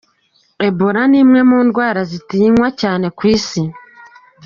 Ebola ni imwe mu ndwara zitinywa cyane ku isi.